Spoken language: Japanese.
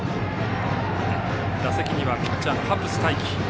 打席にはピッチャーのハッブス大起。